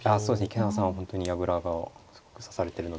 池永さんは本当に矢倉を指されてるので。